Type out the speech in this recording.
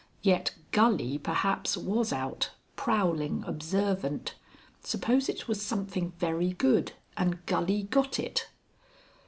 Yet Gully perhaps was out, prowling observant. Suppose it was something very good and Gully got it!